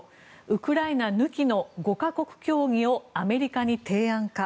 ウクライナ抜きの５か国協議をアメリカに提案か。